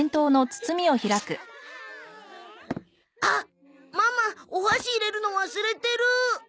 あっママお箸入れるの忘れてる。